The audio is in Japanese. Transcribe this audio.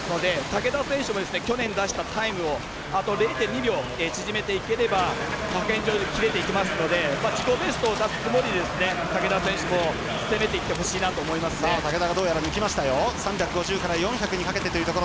竹田選手も去年出したタイムをあと０．２秒縮めていければ派遣標準、切れていきますので自己ベストを出すつもりで竹田選手も攻めていってほしいなと竹田がどうやら抜きました。